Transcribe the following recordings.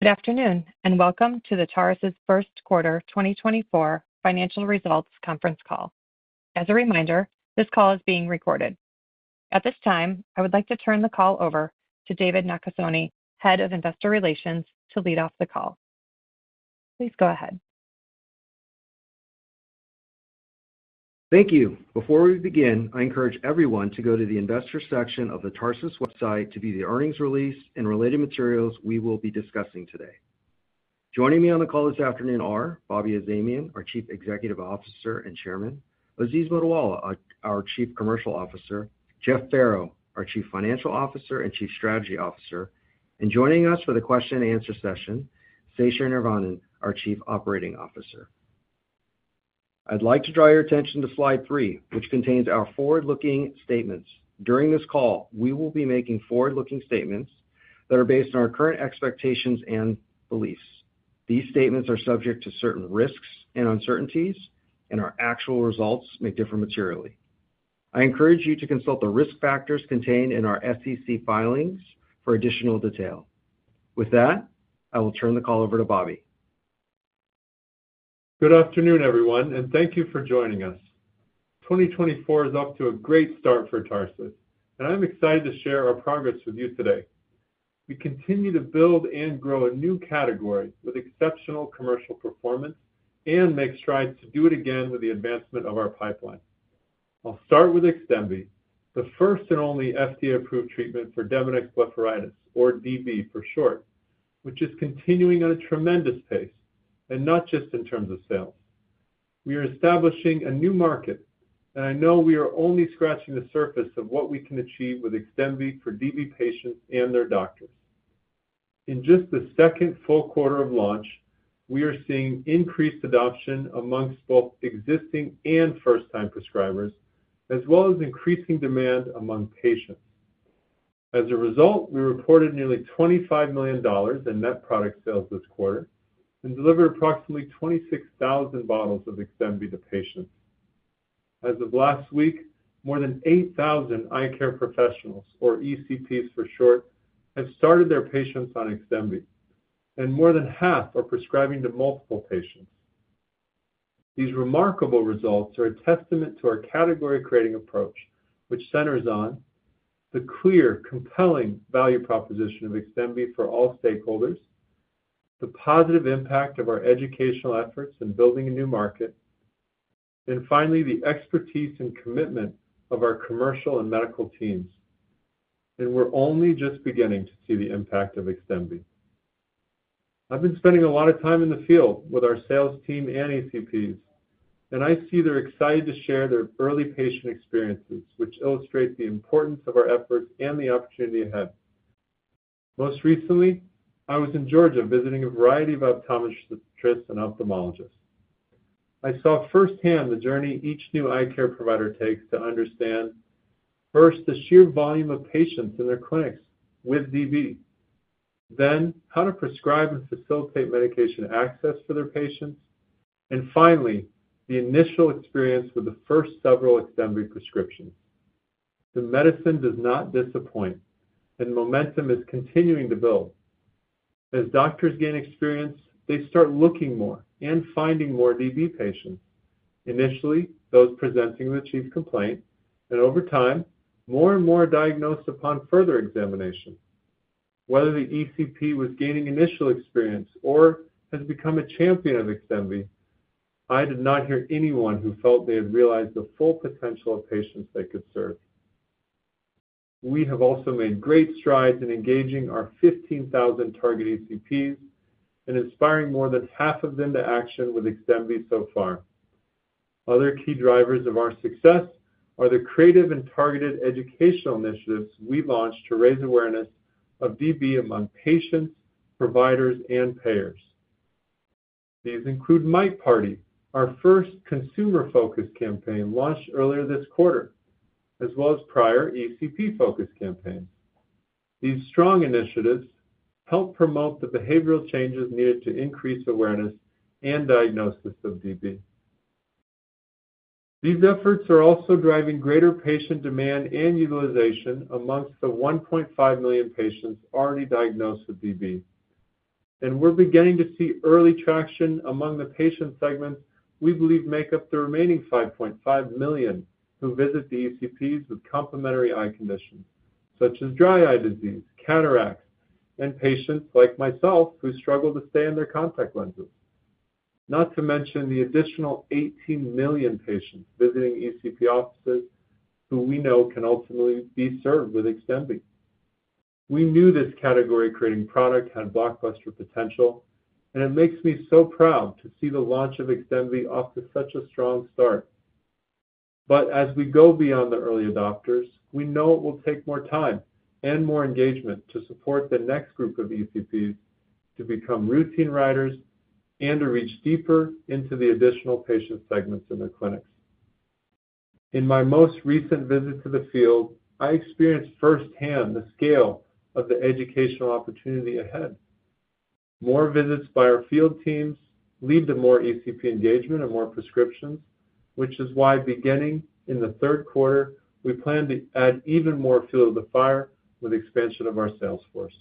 Good afternoon and welcome to the Tarsus Q1 2024 Financial Results Conference Call. As a reminder, this call is being recorded. At this time, I would like to turn the call over to David Nakasone, Head of Investor Relations, to lead off the call. Please go ahead. Thank you. Before we begin, I encourage everyone to go to the Investors section of the Tarsus website to view the earnings release and related materials we will be discussing today. Joining me on the call this afternoon are Bobby Azamian, our Chief Executive Officer and Chairman; Aziz Mottiwala, our Chief Commercial Officer; Jeff Farrow, our Chief Financial Officer and Chief Strategy Officer; and joining us for the question-and-answer session, Sesha Neervannan, our Chief Operating Officer. I'd like to draw your attention to slide 3, which contains our forward-looking statements. During this call, we will be making forward-looking statements that are based on our current expectations and beliefs. These statements are subject to certain risks and uncertainties, and our actual results may differ materially. I encourage you to consult the risk factors contained in our SEC filings for additional detail. With that, I will turn the call over to Bobby. Good afternoon, everyone, and thank you for joining us. 2024 is off to a great start for Tarsus, and I'm excited to share our progress with you today. We continue to build and grow a new category with exceptional commercial performance and make strides to do it again with the advancement of our pipeline. I'll start with XDEMVY, the first and only FDA-approved treatment for Demodex blepharitis, or DB for short, which is continuing at a tremendous pace, and not just in terms of sales. We are establishing a new market, and I know we are only scratching the surface of what we can achieve with XDEMVY for DB patients and their doctors. In just the full Q2 of launch, we are seeing increased adoption amongst both existing and first-time prescribers, as well as increasing demand among patients. As a result, we reported nearly $25 million in net product sales this quarter and delivered approximately 26,000 bottles of XDEMVY to patients. As of last week, more than 8,000 eye care professionals, or ECPs for short, have started their patients on XDEMVY, and more than half are prescribing to multiple patients. These remarkable results are a testament to our category-creating approach, which centers on the clear, compelling value proposition of XDEMVY for all stakeholders, the positive impact of our educational efforts in building a new market, and finally, the expertise and commitment of our commercial and medical teams. We're only just beginning to see the impact of XDEMVY. I've been spending a lot of time in the field with our sales team and ECPs, and I see they're excited to share their early patient experiences, which illustrate the importance of our efforts and the opportunity ahead. Most recently, I was in Georgia visiting a variety of optometrists and ophthalmologists. I saw firsthand the journey each new eye care provider takes to understand, first, the sheer volume of patients in their clinics with DB, then how to prescribe and facilitate medication access for their patients, and finally, the initial experience with the first several XDEMVY prescriptions. The medicine does not disappoint, and momentum is continuing to build. As doctors gain experience, they start looking more and finding more DB patients, initially those presenting with a chief complaint, and over time, more and more diagnosed upon further examination. Whether the ECP was gaining initial experience or has become a champion of XDEMVY, I did not hear anyone who felt they had realized the full potential of patients they could serve. We have also made great strides in engaging our 15,000 target ECPs and inspiring more than half of them to action with XDEMVY so far. Other key drivers of our success are the creative and targeted educational initiatives we launched to raise awareness of DB among patients, providers, and payers. These include Mite Party, our first consumer-focused campaign launched earlier this quarter, as well as prior ECP-focused campaigns. These strong initiatives help promote the behavioral changes needed to increase awareness and diagnosis of DB. These efforts are also driving greater patient demand and utilization amongst the 1.5 million patients already diagnosed with DB. We're beginning to see early traction among the patient segments we believe make up the remaining 5.5 million who visit the ECPs with complementary eye conditions, such as dry eye disease, cataracts, and patients like myself who struggle to stay in their contact lenses, not to mention the additional 18 million patients visiting ECP offices who we know can ultimately be served with XDEMVY. We knew this category-creating product had blockbuster potential, and it makes me so proud to see the launch of XDEMVY off to such a strong start. But as we go beyond the early adopters, we know it will take more time and more engagement to support the next group of ECPs to become routine writers and to reach deeper into the additional patient segments in their clinics. In my most recent visit to the field, I experienced firsthand the scale of the educational opportunity ahead. More visits by our field teams lead to more ECP engagement and more prescriptions, which is why, beginning in the Q3, we plan to add even more fuel to the fire with the expansion of our sales force.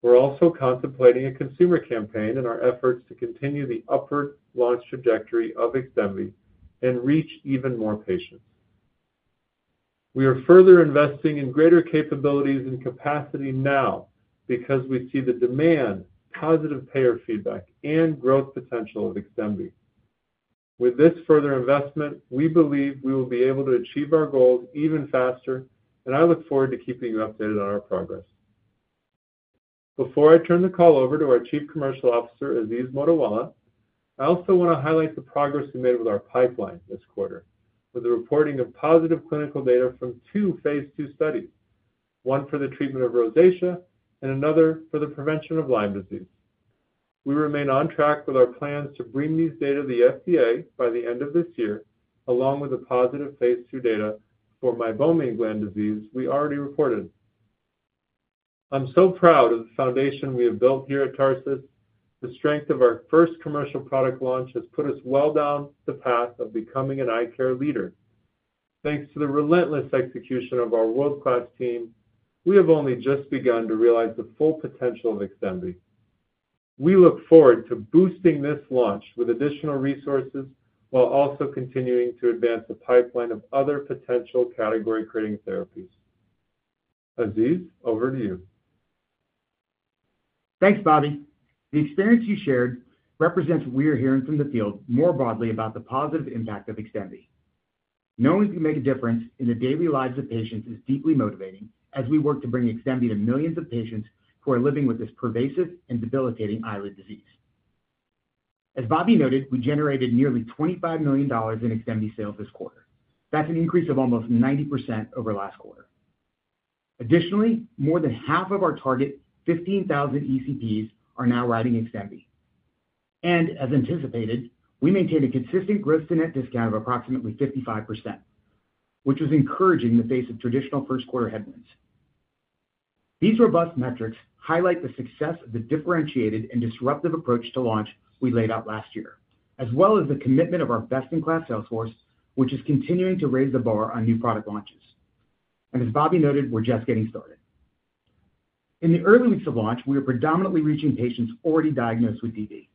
We're also contemplating a consumer campaign in our efforts to continue the upward launch trajectory of XDEMVY and reach even more patients. We are further investing in greater capabilities and capacity now because we see the demand, positive payer feedback, and growth potential of XDEMVY. With this further investment, we believe we will be able to achieve our goals even faster, and I look forward to keeping you updated on our progress. Before I turn the call over to our Chief Commercial Officer, Aziz Mottiwala, I also want to highlight the progress we made with our pipeline this quarter, with the reporting of positive clinical data from two Phase II studies, one for the treatment of rosacea and another for the prevention of Lyme disease. We remain on track with our plans to bring these data to the FDA by the end of this year, along with the positive Phase II data for meibomian gland disease we already reported. I'm so proud of the foundation we have built here at Tarsus. The strength of our first commercial product launch has put us well down the path of becoming an eye care leader. Thanks to the relentless execution of our world-class team, we have only just begun to realize the full potential of XDEMVY. We look forward to boosting this launch with additional resources while also continuing to advance the pipeline of other potential category-creating therapies. Aziz, over to you. Thanks, Bobby. The experience you shared represents we're hearing from the field more broadly about the positive impact of XDEMVY. Knowing we can make a difference in the daily lives of patients is deeply motivating as we work to bring XDEMVY to millions of patients who are living with this pervasive and debilitating eyelid disease. As Bobby noted, we generated nearly $25 million in XDEMVY sales this quarter. That's an increase of almost 90% over last quarter. Additionally, more than half of our target 15,000 ECPs are now writing XDEMVY. As anticipated, we maintain a consistent gross-to-net discount of approximately 55%, which was encouraging in the face of traditional first-quarter headwinds. These robust metrics highlight the success of the differentiated and disruptive approach to launch we laid out last year, as well as the commitment of our best-in-class sales force, which is continuing to raise the bar on new product launches. As Bobby noted, we're just getting started. In the early weeks of launch, we were predominantly reaching patients already diagnosed with DB.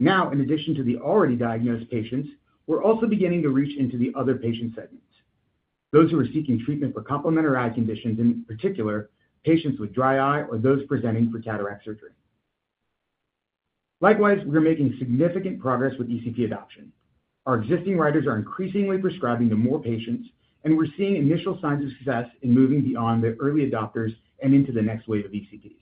Now, in addition to the already diagnosed patients, we're also beginning to reach into the other patient segments: those who are seeking treatment for complementary eye conditions in particular, patients with dry eye, or those presenting for cataract surgery. Likewise, we're making significant progress with ECP adoption. Our existing writers are increasingly prescribing to more patients, and we're seeing initial signs of success in moving beyond the early adopters and into the next wave of ECPs.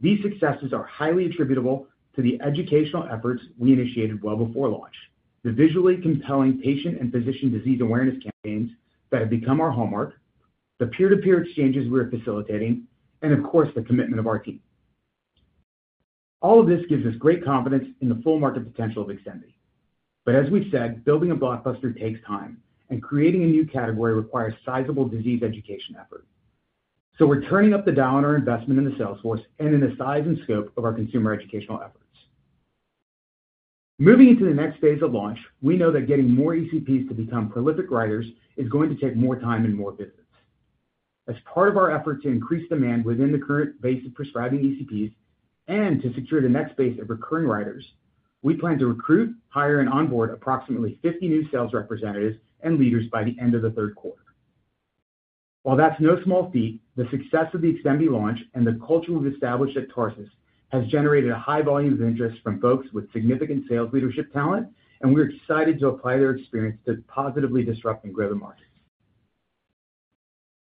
These successes are highly attributable to the educational efforts we initiated well before launch, the visually compelling patient and physician disease awareness campaigns that have become our hallmark, the peer-to-peer exchanges we are facilitating, and of course, the commitment of our team. All of this gives us great confidence in the full market potential of XDEMVY. But as we've said, building a blockbuster takes time, and creating a new category requires sizable disease education effort. So we're turning up the dial on our investment in the sales force and in the size and scope of our consumer educational efforts. Moving into the next phase of launch, we know that getting more ECPs to become prolific writers is going to take more time and more visits. As part of our effort to increase demand within the current base of prescribing ECPs and to secure the next base of recurring writers, we plan to recruit, hire, and onboard approximately 50 new sales representatives and leaders by the end of the Q3. While that's no small feat, the success of the XDEMVY launch and the culture we've established at Tarsus has generated a high volume of interest from folks with significant sales leadership talent, and we're excited to apply their experience to positively disrupt and grow the market.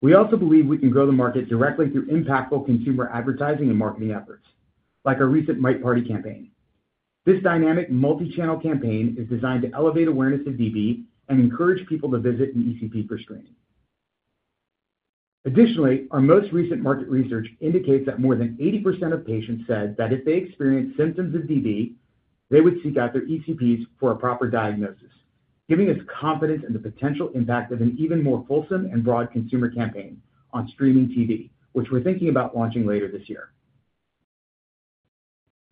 We also believe we can grow the market directly through impactful consumer advertising and marketing efforts, like our recent Mite Party campaign. This dynamic multi-channel campaign is designed to elevate awareness of DB and encourage people to visit an ECP for screening. Additionally, our most recent market research indicates that more than 80% of patients said that if they experienced symptoms of DB, they would seek out their ECPs for a proper diagnosis, giving us confidence in the potential impact of an even more fulsome and broad consumer campaign on streaming TV, which we're thinking about launching later this year.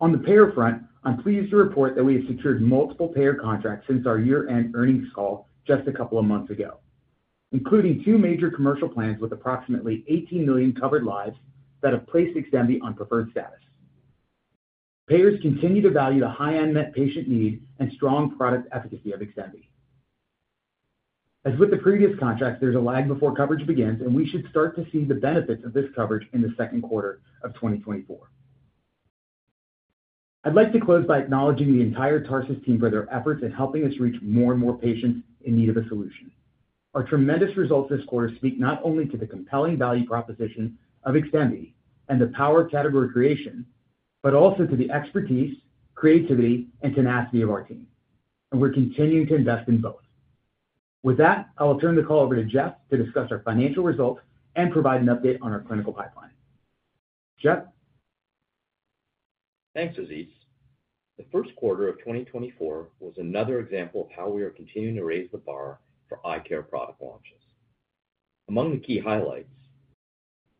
On the payer front, I'm pleased to report that we have secured multiple payer contracts since our year-end earnings call just a couple of months ago, including two major commercial plans with approximately 18 million covered lives that have placed XDEMVY on preferred status. Payers continue to value the high unmet patient need and strong product efficacy of XDEMVY. As with the previous contracts, there's a lag before coverage begins, and we should start to see the benefits of this coverage in the Q2 of 2024. I'd like to close by acknowledging the entire Tarsus team for their efforts in helping us reach more and more patients in need of a solution. Our tremendous results this quarter speak not only to the compelling value proposition of XDEMVY and the power of category creation, but also to the expertise, creativity, and tenacity of our team. We're continuing to invest in both. With that, I'll turn the call over to Jeff to discuss our financial results and provide an update on our clinical pipeline. Jeff? Thanks, Aziz. The Q1 of 2024 was another example of how we are continuing to raise the bar for eye care product launches. Among the key highlights,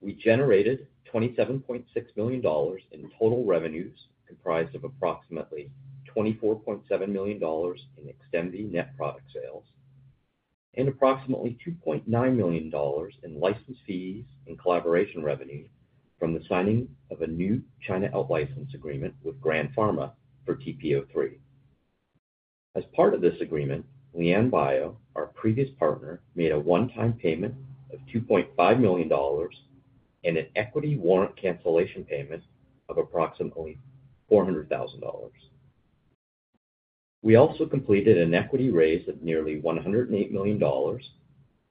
we generated $27.6 million in total revenues comprised of approximately $24.7 million in XDEMVY net product sales, and approximately $2.9 million in license fees and collaboration revenue from the signing of a new China out-license agreement with Grand Pharmaceutical Group for TP-03. As part of this agreement, LianBio, our previous partner, made a one-time payment of $2.5 million and an equity warrant cancellation payment of approximately $400,000. We also completed an equity raise of nearly $108 million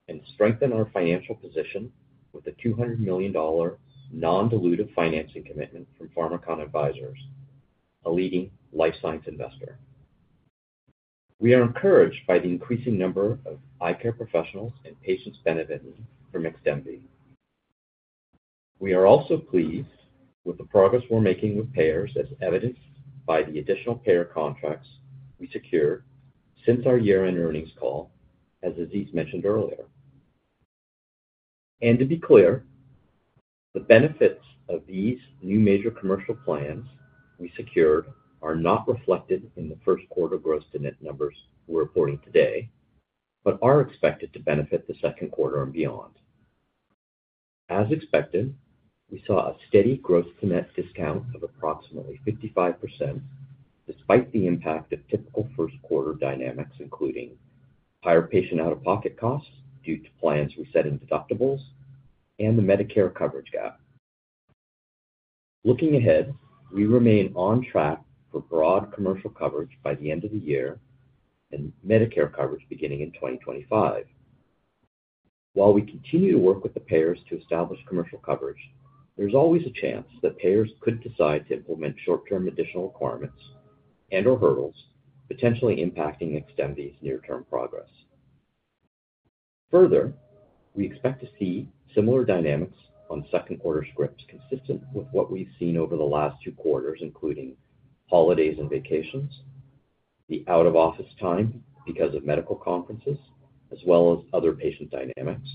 and strengthened our financial position with a $200 million non-dilutive financing commitment from Pharmakon Advisors, a leading life science investor. We are encouraged by the increasing number of eye care professionals and patients benefiting from XDEMVY. We are also pleased with the progress we're making with payers, as evidenced by the additional payer contracts we secured since our year-end earnings call, as Aziz mentioned earlier. To be clear, the benefits of these new major commercial plans we secured are not reflected in the Q1 gross-to-net numbers we're reporting today, but are expected to benefit the Q2 and beyond. As expected, we saw a steady gross-to-net discount of approximately 55% despite the impact of typical first-quarter dynamics, including higher patient out-of-pocket costs due to plans resetting deductibles and the Medicare coverage gap. Looking ahead, we remain on track for broad commercial coverage by the end of the year and Medicare coverage beginning in 2025. While we continue to work with the payers to establish commercial coverage, there's always a chance that payers could decide to implement short-term additional requirements and/or hurdles, potentially impacting XDEMVY's near-term progress. Further, we expect to see similar dynamics on second-quarter scripts consistent with what we've seen over the last two quarters, including holidays and vacations, the out-of-office time because of medical conferences, as well as other patient dynamics,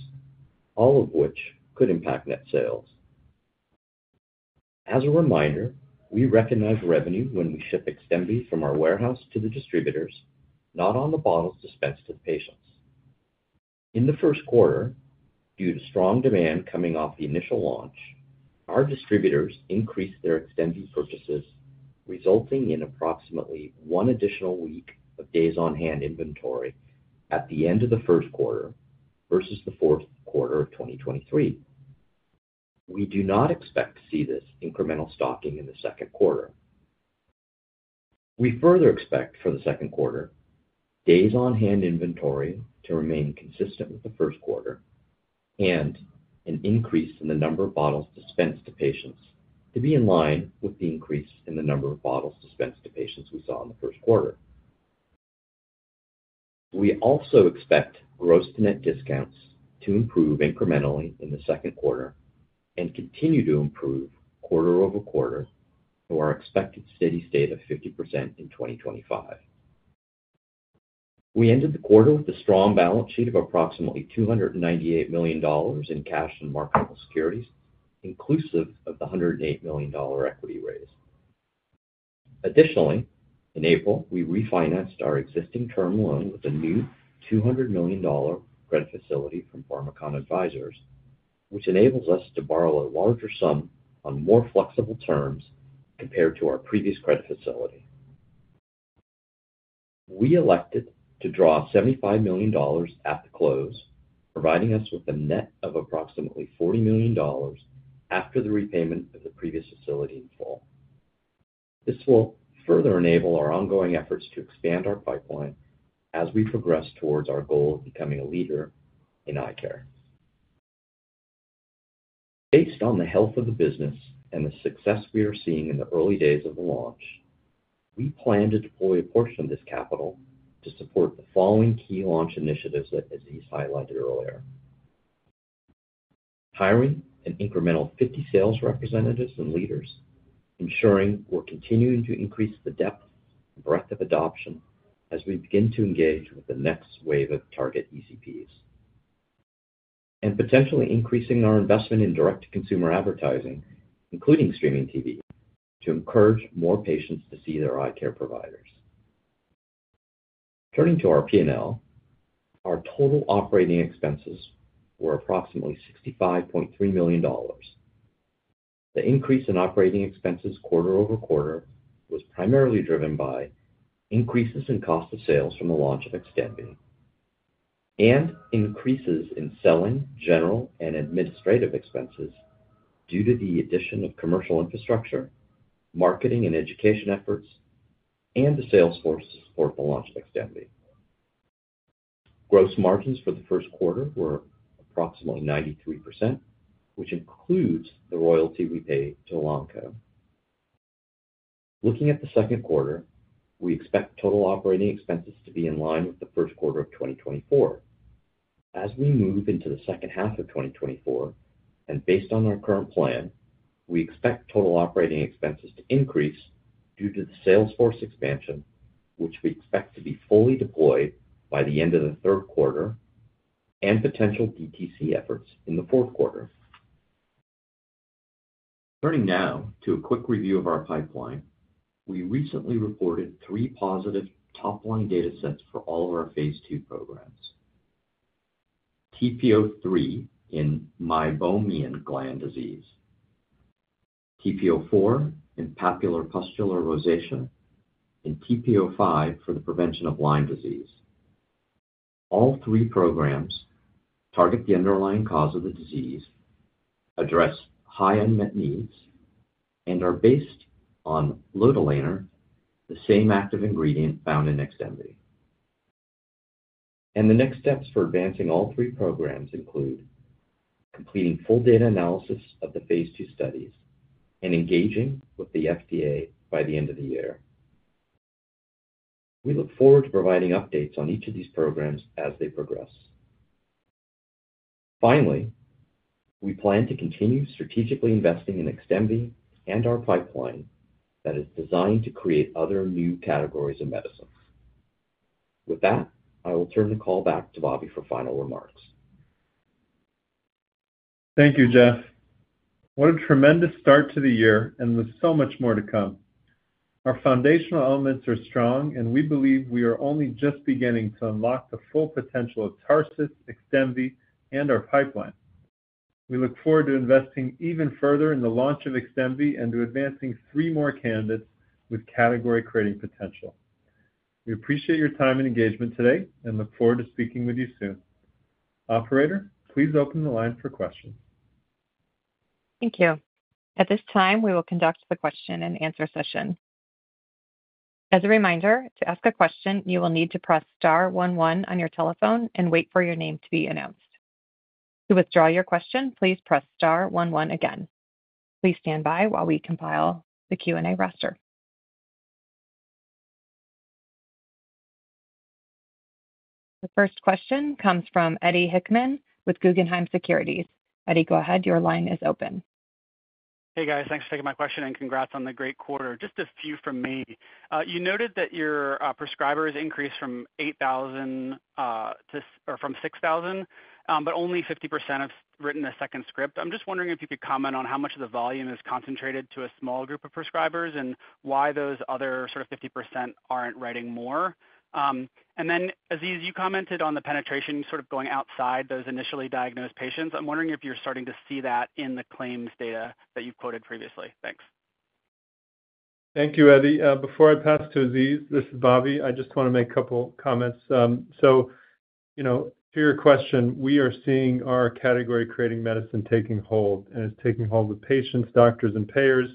all of which could impact net sales. As a reminder, we recognize revenue when we ship XDEMVY from our warehouse to the distributors, not on the bottles dispensed to the patients. In the Q1, due to strong demand coming off the initial launch, our distributors increased their XDEMVY purchases, resulting in approximately one additional week of days-on-hand inventory at the end of the Q1 versus the Q4 of 2023. We do not expect to see this incremental stocking in the Q2. We further expect, for the Q2, days-on-hand inventory to remain consistent with the Q1 and an increase in the number of bottles dispensed to patients to be in line with the increase in the number of bottles dispensed to patients we saw in the Q1. We also expect gross-to-net discounts to improve incrementally in the Q2 and continue to improve quarter-over-quarter to our expected steady state of 50% in 2025. We ended the quarter with a strong balance sheet of approximately $298 million in cash and marketable securities, inclusive of the $108 million equity raise. Additionally, in April, we refinanced our existing term loan with a new $200 million credit facility from Pharmakon Advisors, which enables us to borrow a larger sum on more flexible terms compared to our previous credit facility. We elected to draw $75 million at the close, providing us with a net of approximately $40 million after the repayment of the previous facility in full. This will further enable our ongoing efforts to expand our pipeline as we progress towards our goal of becoming a leader in eye care. Based on the health of the business and the success we are seeing in the early days of the launch, we plan to deploy a portion of this capital to support the following key launch initiatives that Aziz highlighted earlier: hiring an incremental 50 sales representatives and leaders, ensuring we're continuing to increase the depth and breadth of adoption as we begin to engage with the next wave of target ECPs, and potentially increasing our investment in direct-to-consumer advertising, including streaming TV, to encourage more patients to see their eye care providers. Turning to our P&L, our total operating expenses were approximately $65.3 million. The increase in operating expenses quarter over quarter was primarily driven by increases in cost of sales from the launch of XDEMVY and increases in selling, general, and administrative expenses due to the addition of commercial infrastructure, marketing, and education efforts, and the sales force to support the launch of XDEMVY. Gross margins for the Q1 were approximately 93%, which includes the royalty we pay to Elanco. Looking at the Q2, we expect total operating expenses to be in line with the Q1 of 2024. As we move into the second half of 2024 and based on our current plan, we expect total operating expenses to increase due to the sales force expansion, which we expect to be fully deployed by the end of the Q3, and potential DTC efforts in the Q4. Turning now to a quick review of our pipeline, we recently reported three positive top-line data sets for all of our Phase II programs: TP-03 in Meibomian gland disease, TP-04 in papulopustular rosacea, and TP-05 for the prevention of Lyme disease. All three programs target the underlying cause of the disease, address high unmet needs, and are based on lotilaner, the same active ingredient found in XDEMVY. The next steps for advancing all three programs include completing full data analysis of the Phase II studies and engaging with the FDA by the end of the year. We look forward to providing updates on each of these programs as they progress. Finally, we plan to continue strategically investing in XDEMVY and our pipeline that is designed to create other new categories of medicines. With that, I will turn the call back to Bobby for final remarks. Thank you, Jeff. What a tremendous start to the year, and there's so much more to come. Our foundational elements are strong, and we believe we are only just beginning to unlock the full potential of Tarsus, XDEMVY, and our pipeline. We look forward to investing even further in the launch of XDEMVY and to advancing three more candidates with category-creating potential. We appreciate your time and engagement today and look forward to speaking with you soon. Operator, please open the line for questions. Thank you. At this time, we will conduct the question-and-answer session. As a reminder, to ask a question, you will need to press star 11 on your telephone and wait for your name to be announced. To withdraw your question, please press star 11 again. Please stand by while we compile the Q&A roster. The first question comes from Eddie Hickman with Guggenheim Securities. Eddie, go ahead. Your line is open. Hey, guys. Thanks for taking my question, and congrats on the great quarter. Just a few from me. You noted that your prescribers increased from 8,000 to or from 6,000, but only 50% have written a second script. I'm just wondering if you could comment on how much of the volume is concentrated to a small group of prescribers and why those other sort of 50% aren't writing more. And then, Aziz, you commented on the penetration sort of going outside those initially diagnosed patients. I'm wondering if you're starting to see that in the claims data that you quoted previously. Thanks. Thank you, Eddie. Before I pass to Aziz, this is Bobby. I just want to make a couple of comments. So to your question, we are seeing our category-creating medicine taking hold, and it's taking hold with patients, doctors, and payers.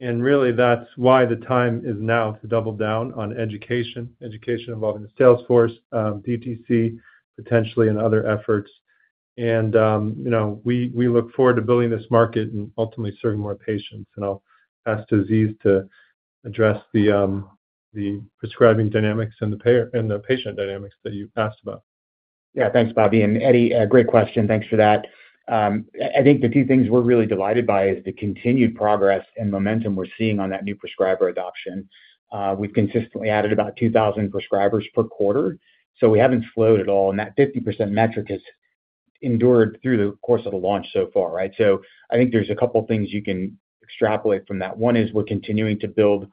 And really, that's why the time is now to double down on education, education involving the sales force, DTC, potentially, and other efforts. And we look forward to building this market and ultimately serving more patients. And I'll ask Aziz to address the prescribing dynamics and the payer and the patient dynamics that you asked about. Yeah, thanks, Bobby. Eddie, great question. Thanks for that. I think the two things we're really delighted by is the continued progress and momentum we're seeing on that new prescriber adoption. We've consistently added about 2,000 prescribers per quarter, so we haven't slowed at all. That 50% metric has endured through the course of the launch so far, right? I think there's a couple of things you can extrapolate from that. One is we're continuing to build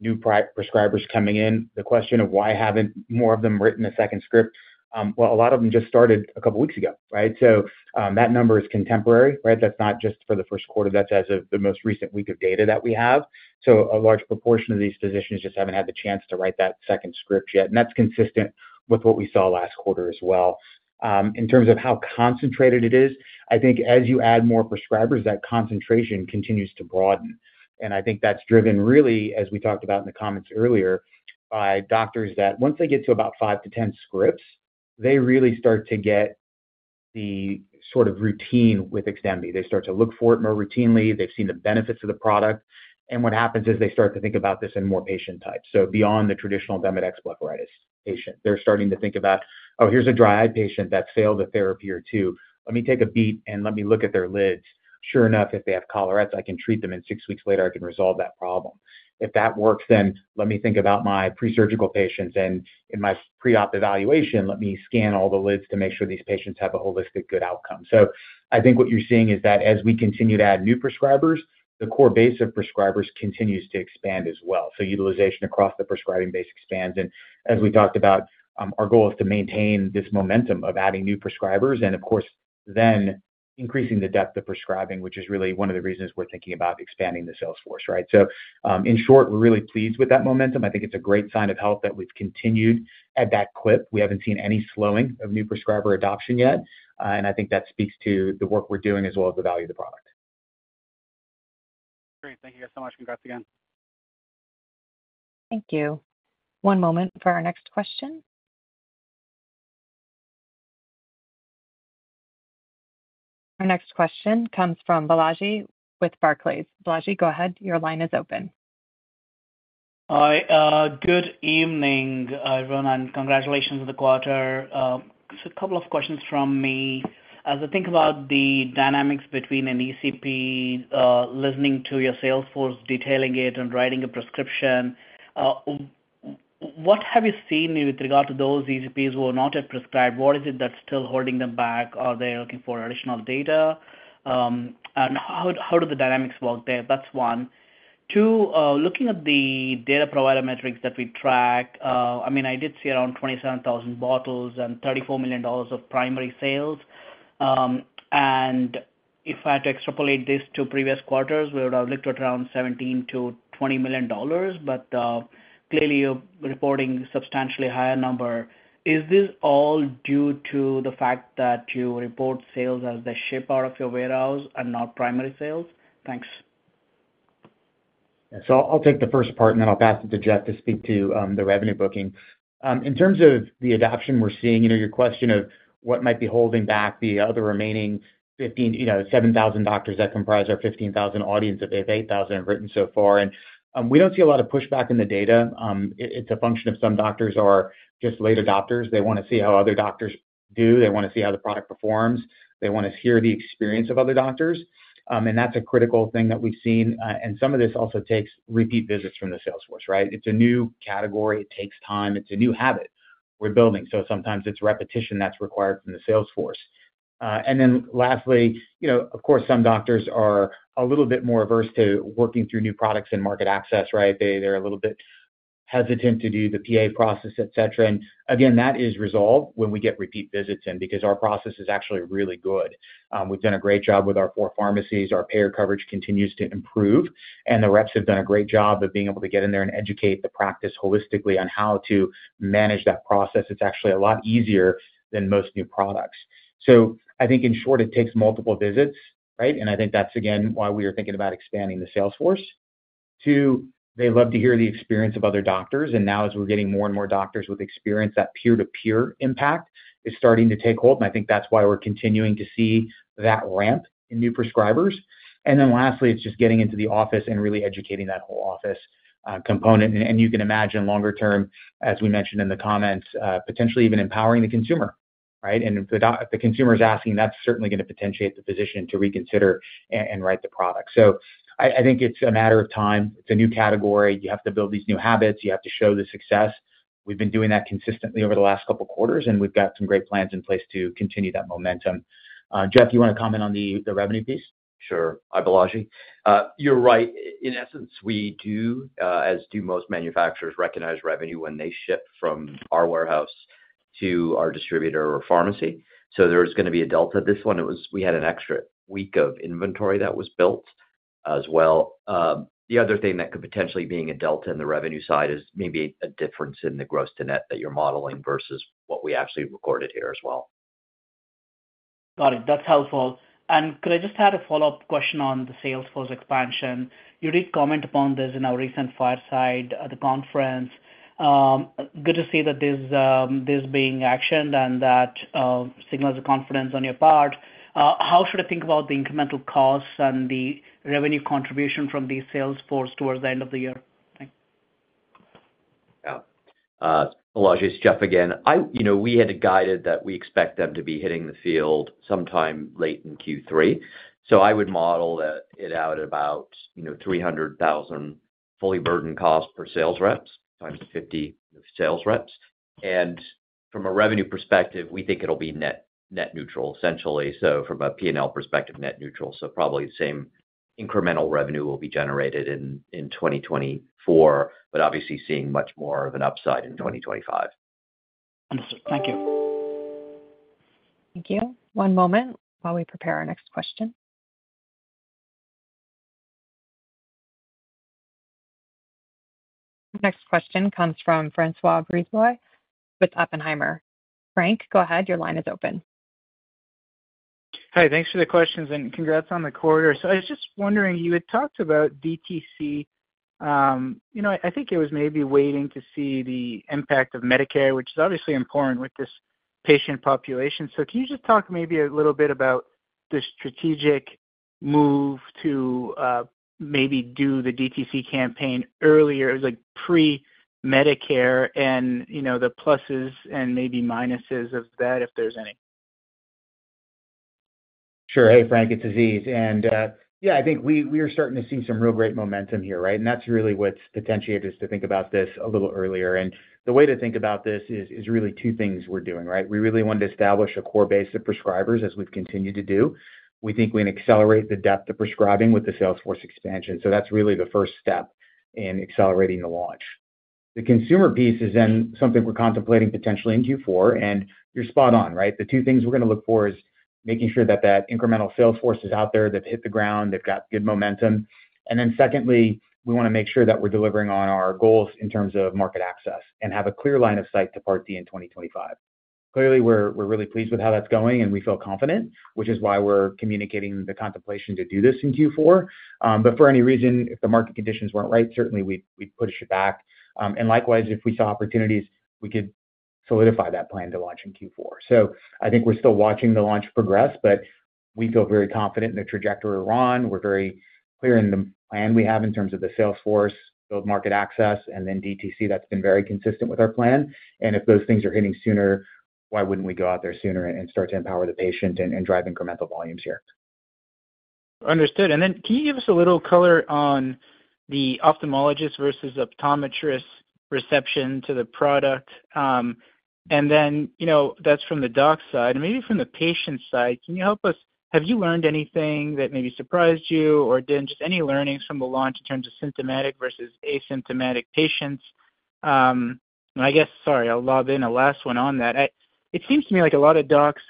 new prescribers coming in. The question of why haven't more of them written a second script? Well, a lot of them just started a couple of weeks ago, right? That number is contemporary, right? That's not just for the Q1. That's as of the most recent week of data that we have. So a large proportion of these physicians just haven't had the chance to write that second script yet. And that's consistent with what we saw last quarter as well. In terms of how concentrated it is, I think as you add more prescribers, that concentration continues to broaden. And I think that's driven, really, as we talked about in the comments earlier, by doctors that once they get to about 5-10 scripts, they really start to get the sort of routine with XDEMVY. They start to look for it more routinely. They've seen the benefits of the product. And what happens is they start to think about this in more patient types. So beyond the traditional Demodex blepharitis patient, they're starting to think about, "Oh, here's a dry eye patient that's failed a therapy or two. Let me take a beat and let me look at their lids. Sure enough, if they have collarettes, I can treat them, and six weeks later, I can resolve that problem. If that works, then let me think about my presurgical patients. And in my pre-op evaluation, let me scan all the lids to make sure these patients have a holistic, good outcome. So I think what you're seeing is that as we continue to add new prescribers, the core base of prescribers continues to expand as well. So utilization across the prescribing base expands. And as we talked about, our goal is to maintain this momentum of adding new prescribers and, of course, then increasing the depth of prescribing, which is really one of the reasons we're thinking about expanding the sales force, right? So in short, we're really pleased with that momentum. I think it's a great sign of health that we've continued at that clip. We haven't seen any slowing of new prescriber adoption yet. I think that speaks to the work we're doing as well as the value of the product. Great. Thank you guys so much. Congrats again. Thank you. One moment for our next question. Our next question comes from Balaji with Barclays. Balaji, go ahead. Your line is open. Hi. Good evening, everyone, and congratulations on the quarter. Just a couple of questions from me. As I think about the dynamics between an ECP listening to your sales force, detailing it, and writing a prescription, what have you seen with regard to those ECPs who are not yet prescribed? What is it that's still holding them back? Are they looking for additional data? And how do the dynamics work there? That's one. Two, looking at the data provider metrics that we track, I mean, I did see around 27,000 bottles and $34 million of primary sales. And if I had to extrapolate this to previous quarters, we would have looked at around $17 million to 20 million, but clearly, you're reporting a substantially higher number. Is this all due to the fact that you report sales as they ship out of your warehouse and not primary sales? Thanks. So I'll take the first part, and then I'll pass it to Jeff to speak to the revenue booking. In terms of the adoption we're seeing, your question of what might be holding back the other remaining 7,000 doctors that comprise our 15,000 audience of 8,000 have written so far. And we don't see a lot of pushback in the data. It's a function of some doctors are just late adopters. They want to see how other doctors do. They want to see how the product performs. They want to hear the experience of other doctors. And that's a critical thing that we've seen. And some of this also takes repeat visits from the sales force, right? It's a new category. It takes time. It's a new habit we're building. So sometimes it's repetition that's required from the sales force. Then lastly, of course, some doctors are a little bit more averse to working through new products and market access, right? They're a little bit hesitant to do the PA process, etc. And again, that is resolved when we get repeat visits in because our process is actually really good. We've done a great job with our 4 pharmacies. Our payer coverage continues to improve. The reps have done a great job of being able to get in there and educate the practice holistically on how to manage that process. It's actually a lot easier than most new products. I think, in short, it takes multiple visits, right? And I think that's, again, why we are thinking about expanding the sales force. 2, they love to hear the experience of other doctors. And now, as we're getting more and more doctors with experience, that peer-to-peer impact is starting to take hold. And I think that's why we're continuing to see that ramp in new prescribers. And then lastly, it's just getting into the office and really educating that whole office component. And you can imagine, longer term, as we mentioned in the comments, potentially even empowering the consumer, right? And if the consumer is asking, that's certainly going to potentiate the physician to reconsider and write the product. So I think it's a matter of time. It's a new category. You have to build these new habits. You have to show the success. We've been doing that consistently over the last couple of quarters, and we've got some great plans in place to continue that momentum. Jeff, you want to comment on the revenue piece? Sure. Hi, Balaji. You're right. In essence, we do, as do most manufacturers, recognize revenue when they ship from our warehouse to our distributor or pharmacy. So there's going to be a delta this one. We had an extra week of inventory that was built as well. The other thing that could potentially be a delta in the revenue side is maybe a difference in the gross-to-net that you're modeling versus what we actually recorded here as well. Got it. That's helpful. And could I just add a follow-up question on the sales force expansion? You did comment upon this in our recent fireside at the conference. Good to see that there's being actioned and that signals of confidence on your part. How should I think about the incremental costs and the revenue contribution from these sales force towards the end of the year? Yeah. Balaji's Jeff again. We had it guided that we expect them to be hitting the field sometime late in Q3. So I would model it out at about $300,000 fully burdened costs per sales reps, times 50 sales reps. And from a revenue perspective, we think it'll be net neutral, essentially. So from a P&L perspective, net neutral. So probably the same incremental revenue will be generated in 2024, but obviously seeing much more of an upside in 2025. Understood. Thank you. Thank you. One moment while we prepare our next question. Next question comes from François Brisebois with Oppenheimer. Frank, go ahead. Your line is open. Hey, thanks for the questions and congrats on the quarter. So I was just wondering, you had talked about DTC. I think it was maybe waiting to see the impact of Medicare, which is obviously important with this patient population. So can you just talk maybe a little bit about the strategic move to maybe do the DTC campaign earlier? It was pre-Medicare and the pluses and maybe minuses of that, if there's any. Sure. Hey, Frank, it's Aziz. And yeah, I think we are starting to see some real great momentum here, right? And that's really what's potentiated us to think about this a little earlier. And the way to think about this is really two things we're doing, right? We really wanted to establish a core base of prescribers as we've continued to do. We think we can accelerate the depth of prescribing with the sales force expansion. So that's really the first step in accelerating the launch. The consumer piece is then something we're contemplating potentially in Q4. And you're spot on, right? The two things we're going to look for is making sure that that incremental sales force is out there. They've hit the ground. They've got good momentum. And then secondly, we want to make sure that we're delivering on our goals in terms of market access and have a clear line of sight to Part D in 2025. Clearly, we're really pleased with how that's going, and we feel confident, which is why we're communicating the contemplation to do this in Q4. But for any reason, if the market conditions weren't right, certainly, we'd push it back. And likewise, if we saw opportunities, we could solidify that plan to launch in Q4. So I think we're still watching the launch progress, but we feel very confident in the trajectory we're on. We're very clear in the plan we have in terms of the sales force, build market access, and then DTC. That's been very consistent with our plan. If those things are hitting sooner, why wouldn't we go out there sooner and start to empower the patient and drive incremental volumes here? Understood. Then can you give us a little color on the ophthalmologist versus optometrist reception to the product? That's from the doc side. Maybe from the patient side, can you help us? Have you learned anything that maybe surprised you or didn't? Just any learnings from the launch in terms of symptomatic versus asymptomatic patients? I guess, sorry, I'll lob in a last one on that. It seems to me like a lot of docs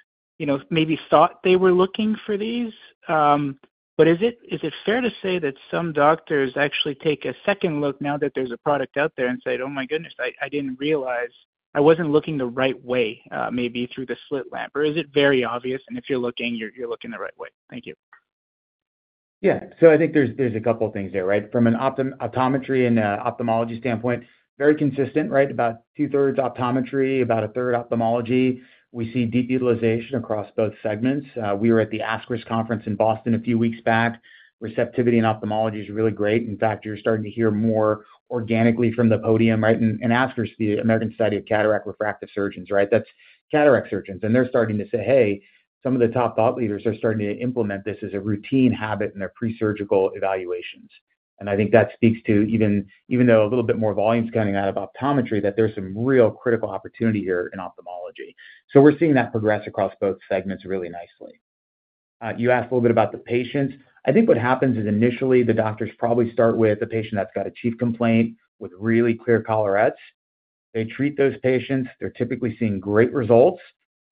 maybe thought they were looking for these. But is it fair to say that some doctors actually take a second look now that there's a product out there and say, "Oh my goodness, I didn't realize I wasn't looking the right way maybe through the slit lamp"? Or is it very obvious? If you're looking, you're looking the right way. Thank you. Yeah. So I think there's a couple of things there, right? From an optometry and ophthalmology standpoint, very consistent, right? About two-thirds optometry, about a third ophthalmology. We see deep utilization across both segments. We were at the ASCRS Conference in Boston a few weeks back. Receptivity in ophthalmology is really great. In fact, you're starting to hear more organically from the podium, right? And ASCRS, the American Society of Cataract and Refractive Surgery, right? That's cataract surgeons. And they're starting to say, "Hey, some of the top thought leaders are starting to implement this as a routine habit in their presurgical evaluations." And I think that speaks to even though a little bit more volume is coming out of optometry, that there's some real critical opportunity here in ophthalmology. So we're seeing that progress across both segments really nicely. You asked a little bit about the patients. I think what happens is initially, the doctors probably start with a patient that's got a chief complaint with really clear collarettes. They treat those patients. They're typically seeing great results.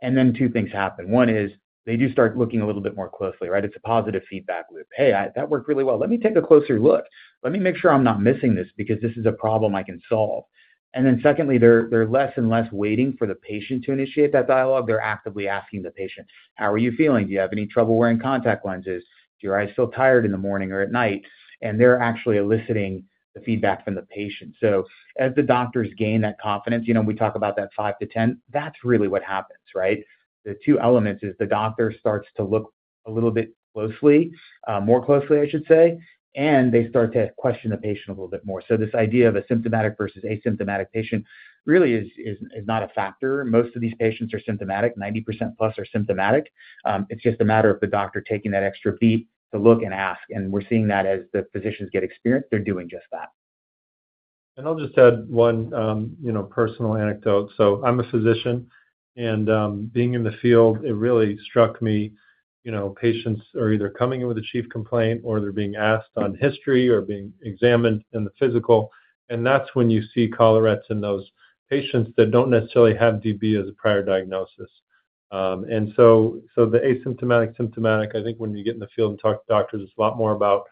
And then two things happen. One is they do start looking a little bit more closely, right? It's a positive feedback loop. "Hey, that worked really well. Let me take a closer look. Let me make sure I'm not missing this because this is a problem I can solve." And then secondly, they're less and less waiting for the patient to initiate that dialogue. They're actively asking the patient, "How are you feeling? Do you have any trouble wearing contact lenses? Do your eyes feel tired in the morning or at night?" And they're actually eliciting the feedback from the patient. So as the doctors gain that confidence, we talk about that five to -10, that's really what happens, right? The two elements is the doctor starts to look a little bit closely, more closely, I should say, and they start to question the patient a little bit more. So this idea of a symptomatic versus asymptomatic patient really is not a factor. Most of these patients are symptomatic. 90%+ are symptomatic. It's just a matter of the doctor taking that extra beat to look and ask. And we're seeing that as the physicians get experienced, they're doing just that. I'll just add one personal anec.dote. So I'm a physician. Being in the field, it really struck me, patients are either coming in with a chief complaint or they're being asked on history or being examined in the physical. That's when you see collarettes in those patients that don't necessarily have DB as a prior diagnosis. So the asymptomatic, symptomatic, I think when you get in the field and talk to doctors, it's a lot more about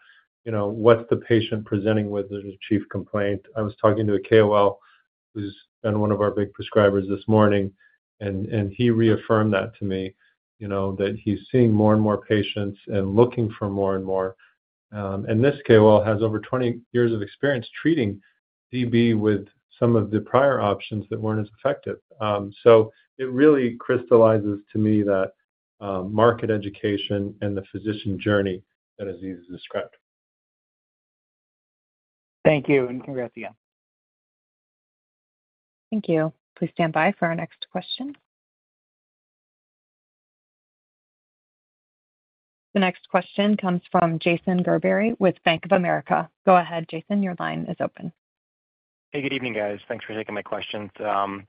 what's the patient presenting with as a chief complaint. I was talking to a KOL who's been one of our big prescribers this morning, and he reaffirmed that to me, that he's seeing more and more patients and looking for more and more. This KOL has over 20 years of experience treating DB with some of the prior options that weren't as effective. It really crystallizes to me that market education and the physician journey that Aziz has described. Thank you and congrats again. Thank you. Please stand by for our next question. The next question comes from Jason Gerberry with Bank of America. Go ahead, Jason. Your line is open. Hey, good evening, guys. Thanks for taking my questions. Just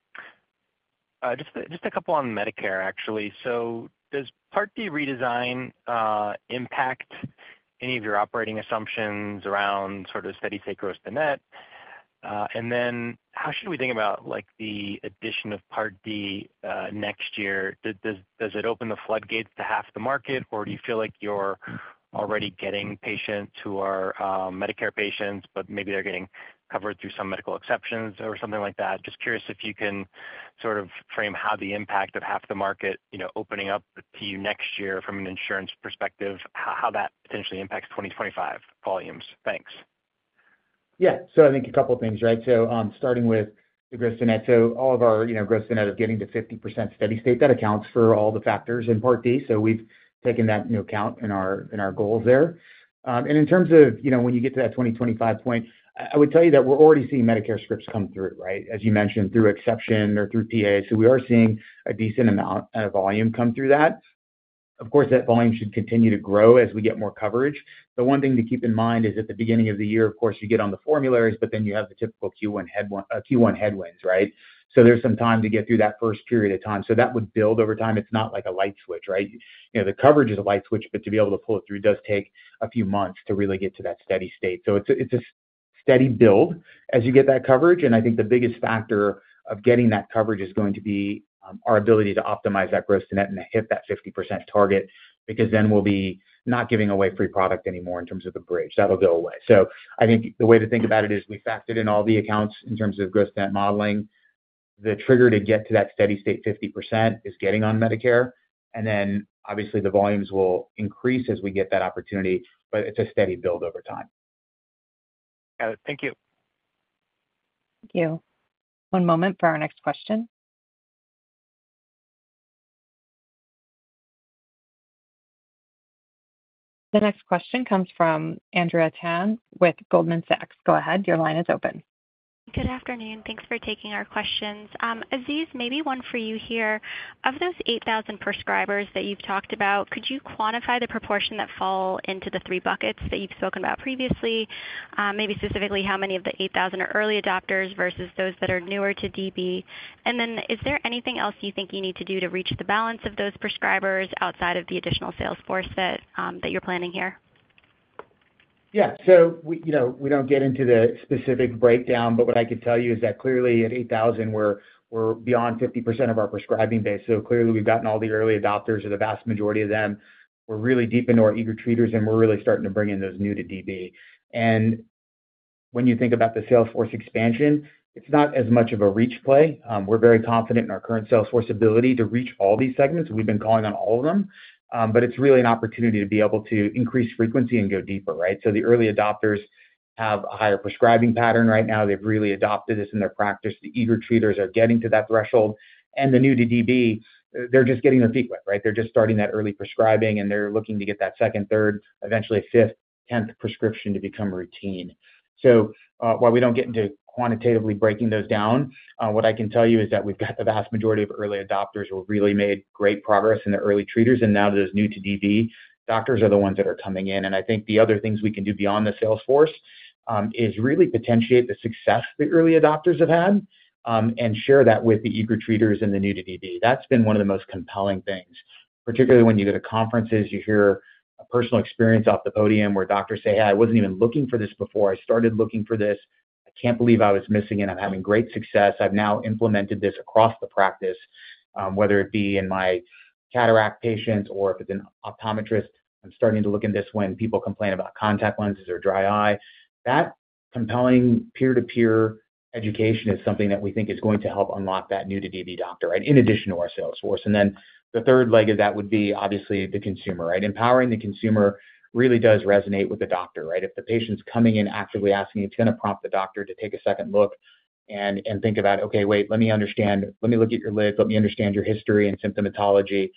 a couple on Medicare, actually. So does Part D redesign impact any of your operating assumptions around sort of steady safe gross-to-net? And then how should we think about the addition of Part D next year? Does it open the floodgates to half the market, or do you feel like you're already getting patients who are Medicare patients, but maybe they're getting covered through some medical exceptions or something like that? Just curious if you can sort of frame how the impact of half the market opening up to you next year from an insurance perspective, how that potentially impacts 2025 volumes. Thanks. Yeah. So I think a couple of things, right? So starting with the gross-to-net. So all of our gross-to-net is getting to 50% steady state. That accounts for all the factors in Part D. So we've taken that into account in our goals there. And in terms of when you get to that 2025 point, I would tell you that we're already seeing Medicare scripts come through, right? As you mentioned, through exception or through PA. So we are seeing a decent amount of volume come through that. Of course, that volume should continue to grow as we get more coverage. The one thing to keep in mind is at the beginning of the year, of course, you get on the formularies, but then you have the typical Q1 headwinds, right? So there's some time to get through that first period of time. So that would build over time. It's not like a light switch, right? The coverage is a light switch, but to be able to pull it through does take a few months to really get to that steady state. So it's a steady build as you get that coverage. And I think the biggest factor of getting that coverage is going to be our ability to optimize that gross-to-net and hit that 50% target because then we'll be not giving away free product anymore in terms of the bridge. That'll go away. So I think the way to think about it is we factored in all the accounts in terms of gross-to-net modeling. The trigger to get to that steady state 50% is getting on Medicare. And then obviously, the volumes will increase as we get that opportunity, but it's a steady build over time. Got it. Thank you. Thank you. One moment for our next question. The next question comes from Andrea Tan with Goldman Sachs. Go ahead. Your line is open. Good afternoon. Thanks for taking our questions. Aziz, maybe one for you here. Of those 8,000 prescribers that you've talked about, could you quantify the proportion that fall into the three buckets that you've spoken about previously? Maybe specifically, how many of the 8,000 are early adopters versus those that are newer to DB? And then is there anything else you think you need to do to reach the balance of those prescribers outside of the additional sales force that you're planning here? Yeah. So we don't get into the specific breakdown, but what I could tell you is that clearly, at 8,000, we're beyond 50% of our prescribing base. So clearly, we've gotten all the early adopters, or the vast majority of them. We're really deep into our eager treaters, and we're really starting to bring in those new to DB. And when you think about the sales force expansion, it's not as much of a reach play. We're very confident in our current sales force ability to reach all these segments. We've been calling on all of them. But it's really an opportunity to be able to increase frequency and go deeper, right? So the early adopters have a higher prescribing pattern right now. They've really adopted this in their practice. The eager treaters are getting to that threshold. And the new to DB, they're just getting their feet wet, right? They're just starting that early prescribing, and they're looking to get that second, third, eventually fifth, tenth prescription to become routine. So while we don't get into quantitatively breaking those down, what I can tell you is that we've got the vast majority of early adopters who have really made great progress in their early treaters. And now those new to DB doctors are the ones that are coming in. And I think the other things we can do beyond the sales force is really potentiate the success the early adopters have had and share that with the eager treaters and the new to DB. That's been one of the most compelling things, particularly when you go to conferences. You hear a personal experience off the podium where doctors say, "Hey, I wasn't even looking for this before. I started looking for this. I can't believe I was missing it. I'm having great success. I've now implemented this across the practice, whether it be in my cataract patients or if it's an optometrist. I'm starting to look at this when people complain about contact lenses or dry eye." That compelling peer-to-peer education is something that we think is going to help unlock that new to DB doctor, right, in addition to our sales force. And then the third leg of that would be, obviously, the consumer, right? Empowering the consumer really does resonate with the doctor, right? If the patient's coming in actively asking, it's going to prompt the doctor to take a second look and think about, "Okay, wait. Let me understand. Let me look at your lids. Let me understand your history and symptomatology."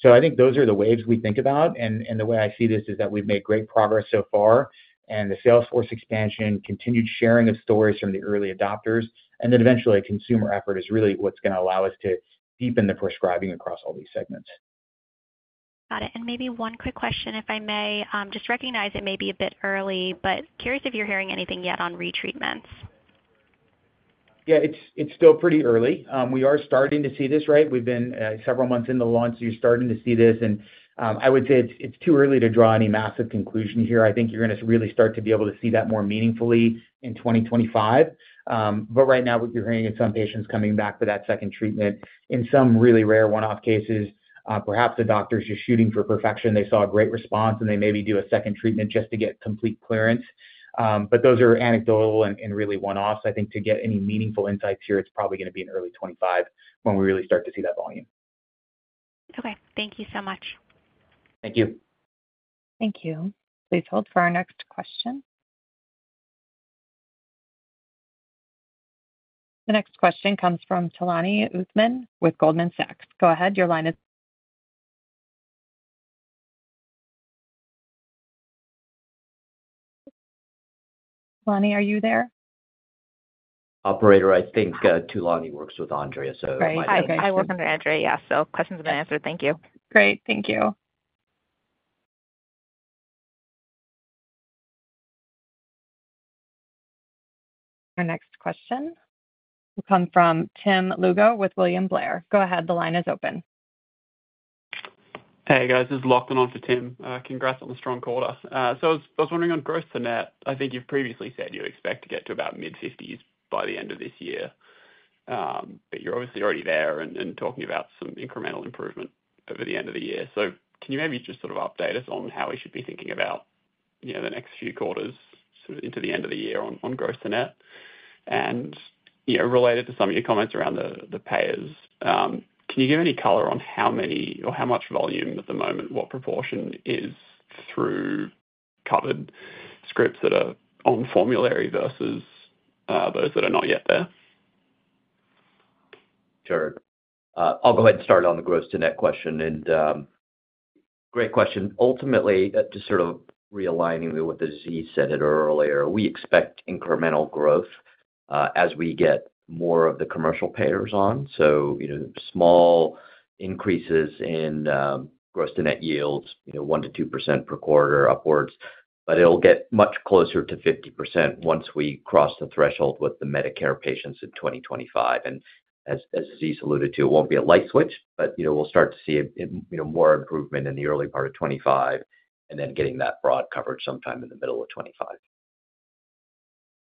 So I think those are the ways we think about. The way I see this is that we've made great progress so far and the sales force expansion, continued sharing of stories from the early adopters. Then eventually, a consumer effort is really what's going to allow us to deepen the prescribing across all these segments. Got it. And maybe one quick question, if I may. Just recognize it may be a bit early, but curious if you're hearing anything yet on retreatments. Yeah, it's still pretty early. We are starting to see this, right? We've been several months into the launch, so you're starting to see this. And I would say it's too early to draw any massive conclusion here. I think you're going to really start to be able to see that more meaningfully in 2025. But right now, what you're hearing is some patients coming back for that second treatment. In some really rare one-off cases, perhaps the doctor's just shooting for perfection. They saw a great response, and they maybe do a second treatment just to get complete clearance. But those are anecdotal and really one-offs. I think to get any meaningful insights here, it's probably going to be in early 2025 when we really start to see that volume. Okay. Thank you so much. Thank you. Thank you. Please hold for our next question. The next question comes from Tolani Uthman with Goldman Sachs. Go ahead. Your line is Tolani, are you there? Operator, I think Omotolani works with Andrea, so might know. Great. Okay. I work under Andrea, yes. So questions have been answered. Thank you. Great. Thank you. Our next question will come from Tim Lugo with William Blair. Go ahead. The line is open. Hey, guys. This is Lachlan on for Tim. Congrats on the strong quarter. So I was wondering on gross to net. I think you've previously said you expect to get to about mid-50s by the end of this year. But you're obviously already there and talking about some incremental improvement over the end of the year. So can you maybe just sort of update us on how we should be thinking about the next few quarters sort of into the end of the year on gross to net? And related to some of your comments around the payers, can you give any color on how many or how much volume at the moment, what proportion is through covered scripts that are on formulary versus those that are not yet there? Sure. I'll go ahead and start on the gross to net question. Great question. Ultimately, just sort of realigning with what Aziz said earlier, we expect incremental growth as we get more of the commercial payers on. Small increases in gross to net yields, 1%-2% per quarter upwards. It'll get much closer to 50% once we cross the threshold with the Medicare patients in 2025. As Aziz alluded to, it won't be a light switch, but we'll start to see more improvement in the early part of 2025 and then getting that broad coverage sometime in the middle of 2025.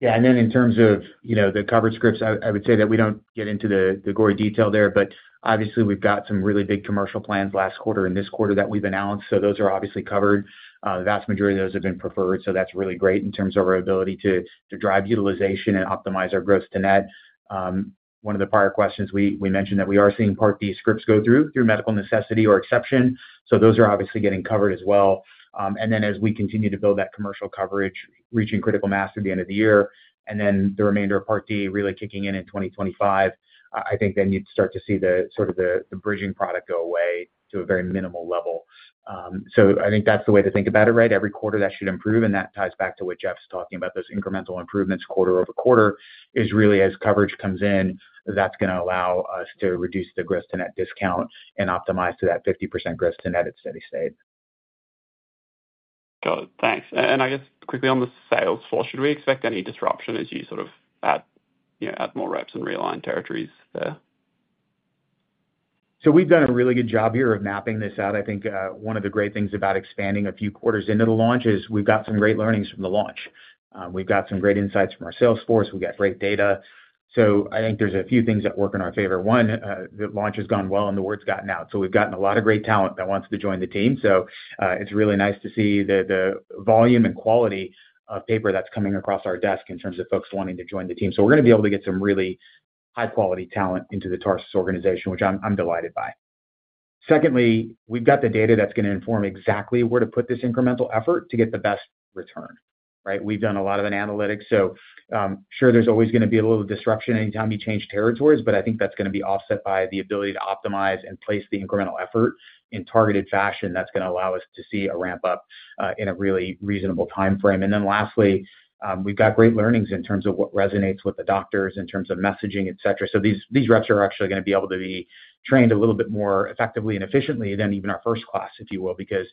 Yeah. And then in terms of the covered scripts, I would say that we don't get into the gory detail there. But obviously, we've got some really big commercial plans last quarter and this quarter that we've announced. So those are obviously covered. The vast majority of those have been preferred. So that's really great in terms of our ability to drive utilization and optimize our gross-to-net. One of the prior questions, we mentioned that we are seeing Part D scripts go through medical necessity or exception. So those are obviously getting covered as well. And then as we continue to build that commercial coverage, reaching critical mass at the end of the year, and then the remainder of Part D really kicking in in 2025, I think then you'd start to see sort of the bridging product go away to a very minimal level. So I think that's the way to think about it, right? Every quarter, that should improve. And that ties back to what Jeff's talking about, those incremental improvements quarter-over-quarter is really as coverage comes in, that's going to allow us to reduce the gross to net discount and optimize to that 50% gross to net at steady state. Got it. Thanks. I guess quickly on the sales force, should we expect any disruption as you sort of add more reps and realign territories there? So we've done a really good job here of mapping this out. I think one of the great things about expanding a few quarters into the launch is we've got some great learnings from the launch. We've got some great insights from our sales force. We got great data. So I think there's a few things that work in our favor. One, the launch has gone well, and the word's gotten out. So we've gotten a lot of great talent that wants to join the team. So it's really nice to see the volume and quality of paper that's coming across our desk in terms of folks wanting to join the team. So we're going to be able to get some really high-quality talent into the Tarsus organization, which I'm delighted by. Secondly, we've got the data that's going to inform exactly where to put this incremental effort to get the best return, right? We've done a lot of analytics. So sure, there's always going to be a little disruption anytime you change territories, but I think that's going to be offset by the ability to optimize and place the incremental effort in targeted fashion that's going to allow us to see a ramp-up in a really reasonable timeframe. And then lastly, we've got great learnings in terms of what resonates with the doctors, in terms of messaging, etc. So these reps are actually going to be able to be trained a little bit more effectively and efficiently than even our first class, if you will, because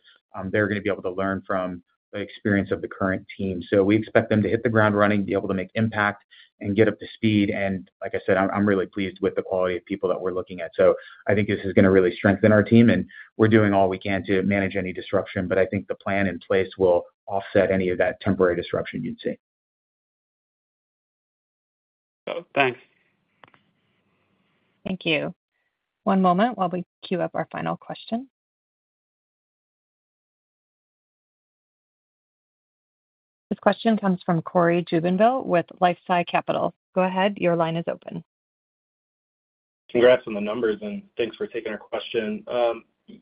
they're going to be able to learn from the experience of the current team. So we expect them to hit the ground running, be able to make impact, and get up to speed. And like I said, I'm really pleased with the quality of people that we're looking at. So I think this is going to really strengthen our team. And we're doing all we can to manage any disruption, but I think the plan in place will offset any of that temporary disruption you'd see. Got it. Thanks. Thank you. One moment while we queue up our final question. This question comes from Cory Jubinville with LifeSci Capital. Go ahead. Your line is open. Congrats on the numbers, and thanks for taking our question.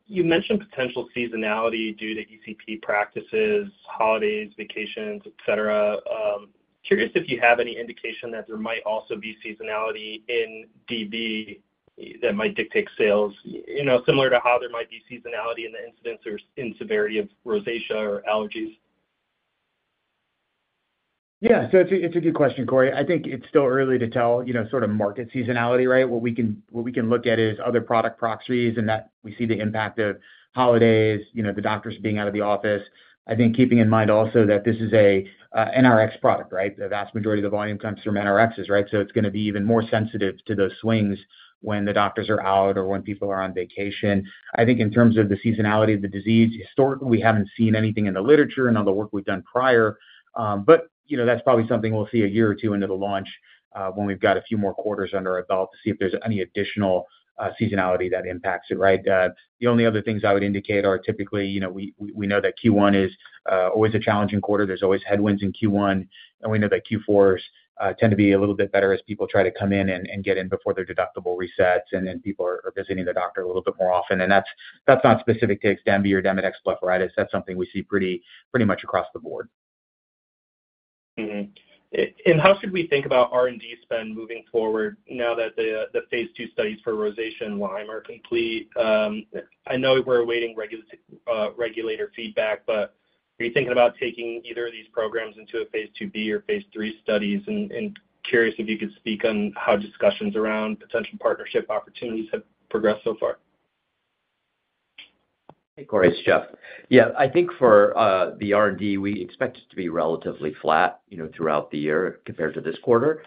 You mentioned potential seasonality due to ECP practices, holidays, vacations, etc. Curious if you have any indication that there might also be seasonality in DB that might dictate sales, similar to how there might be seasonality in the incidence or in severity of rosacea or allergies? Yeah. So it's a good question, Cory. I think it's still early to tell sort of market seasonality, right? What we can look at is other product proxies and that we see the impact of holidays, the doctors being out of the office. I think keeping in mind also that this is an NRx product, right? The vast majority of the volume comes from NRxs, right? So it's going to be even more sensitive to those swings when the doctors are out or when people are on vacation. I think in terms of the seasonality of the disease, historically, we haven't seen anything in the literature and all the work we've done prior. But that's probably something we'll see a year or two into the launch when we've got a few more quarters under our belt to see if there's any additional seasonality that impacts it, right? The only other things I would indicate are typically, we know that Q1 is always a challenging quarter. There's always headwinds in Q1. We know that Q4s tend to be a little bit better as people try to come in and get in before their deductible resets and people are visiting the doctor a little bit more often. That's not specific to XDEMVY or Demodex blepharitis. That's something we see pretty much across the board. How should we think about R&D spend moving forward now that the Phase II studies for rosacea and Lyme are complete? I know we're awaiting regulatory feedback, but are you thinking about taking either of these programs into a Phase IIb or Phase III studies? Curious if you could speak on how discussions around potential partnership opportunities have progressed so far? Hey, Cory. It's Jeff. Yeah, I think for the R&D, we expect it to be relatively flat throughout the year compared to this quarter.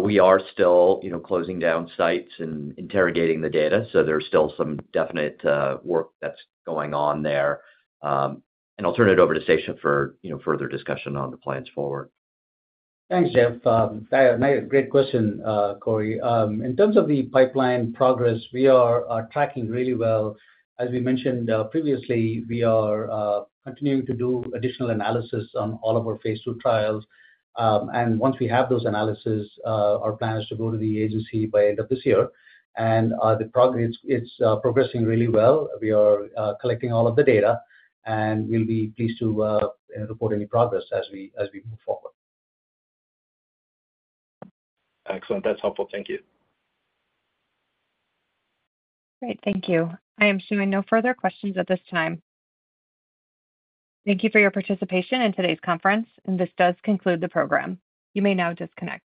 We are still closing down sites and interrogating the data. There's still some definite work that's going on there. I'll turn it over to Sesha for further discussion on the plans forward. Thanks, Jeff. Great question, Cory. In terms of the pipeline progress, we are tracking really well. As we mentioned previously, we are continuing to do additional analysis on all of our Phase II trials. Once we have those analysis, our plan is to go to the agency by end of this year. It's progressing really well. We are collecting all of the data, and we'll be pleased to report any progress as we move forward. Excellent. That's helpful. Thank you. Great. Thank you. I am seeing no further questions at this time. Thank you for your participation in today's conference, and this does conclude the program. You may now disconnect.